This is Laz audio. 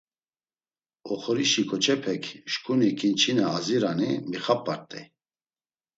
Oxorişi ǩoçepek şǩuni ǩinçina azirani mixap̌art̆ey.